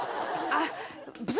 あっ。